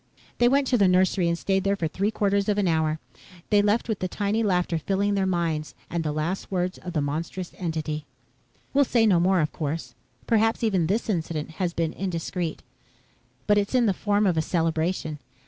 They went to the nursery and stayed there for three quarters of an hour. They left with the tinny laughter filling their minds and the last words of the monstrous entity. "We'll say no more, of course. Perhaps even this incident has been indiscreet. But it's in the form of a celebration.